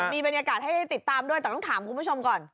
มีบรรยากาศให้ติดตามด้วยแต่ต้องถามคุณผู้ชมก่อน